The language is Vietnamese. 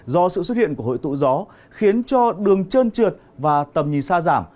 do sự xuất hiện của hội tụ gió khiến cho đường trơn trượt và tầm nhìn xa giảm